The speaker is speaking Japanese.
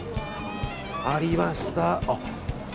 ありました！